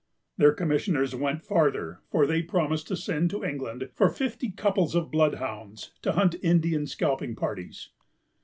Their commissioners went farther; for they promised to send to England for fifty couples of bloodhounds, to hunt Indian scalping parties.